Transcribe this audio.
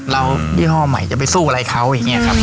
ยี่ห้อใหม่จะไปสู้อะไรเขาอย่างนี้ครับ